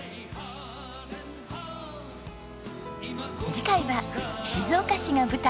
次回は静岡市が舞台。